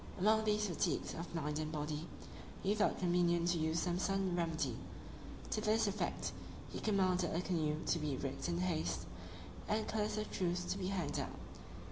Among these fatigues of mind and body, he thought convenient to use some sudden remedy: to this effect, he commanded a canoe to be rigged in haste, and colours of truce to be hanged out.